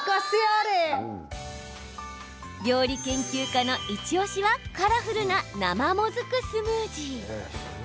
料理研究家のイチおしはカラフルな生もずくスムージー。